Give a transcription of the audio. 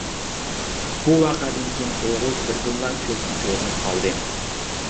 بۇ ۋەقەدىن كېيىن ئوغۇز بىردىنلا كۆزگە كۆرۈنۈپ قالدى.